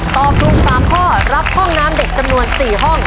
ตอบถูก๓ข้อรับห้องน้ำเด็กจำนวน๔ห้อง